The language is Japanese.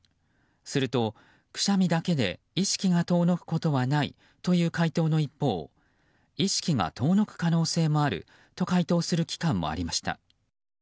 すると、くしゃみだけで意識が遠のくことはないという回答の一方意識が遠のく可能性もあると回答する機関もありました。